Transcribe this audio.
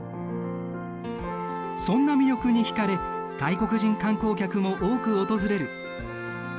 そんな魅力にひかれ外国人観光客も多く訪れる。